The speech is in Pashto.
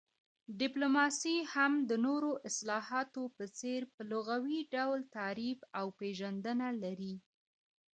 ډيپلوماسي هم د نورو اصطلاحاتو په څير په لغوي ډول تعريف او پيژندنه لري